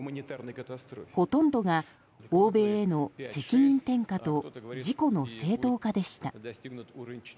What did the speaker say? ほとんどが、欧米への責任転嫁と自己の正当化でした。